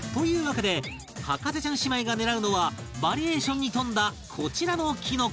わけで博士ちゃん姉妹が狙うのはバリエーションに富んだこちらのきのこたち